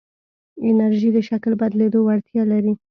انرژی د شکل بدلېدو وړتیا لري.